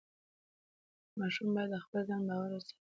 ماشوم باید د خپل ځان باور وساتي.